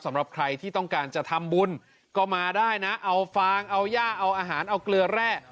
สำหรับใครที่ต้องการจะทำบุญก็มาได้นะเอาฟางเอาย่าเอาอาหารเอาเกลือแร่